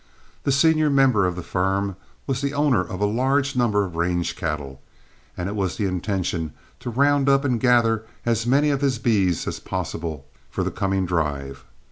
The senior member of the firm was the owner of a large number of range cattle, and it was the intention to round up and gather as many of his beeves as possible for the coming drive.